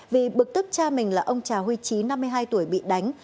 vì bực tức cha mình là ông trà huy trí năm mươi hai tuổi bị đánh